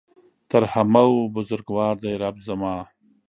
تر همه ؤ بزرګوار دی رب زما